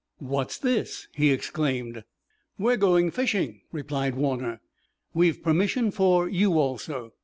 "What's this?" he exclaimed. "We're going fishing," replied Warner. "We've permission for you also.